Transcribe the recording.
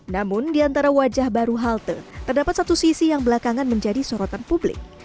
namun di antara wajah baru halte terdapat satu sisi yang belakangan menjadi sorotan publik